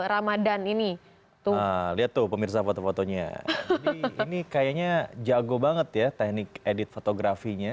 ramadhan ini lihat tuh pemirsa foto fotonya ini kayaknya jago banget ya teknik edit fotografinya